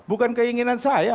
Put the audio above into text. bukan keinginan saya